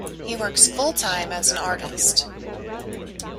He works full-time as an artist.